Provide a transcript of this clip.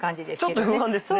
ちょっと不安ですね。